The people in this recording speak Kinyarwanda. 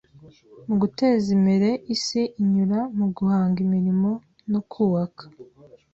mu guteza imere isi inyura mu guhanga imirimo no kuaka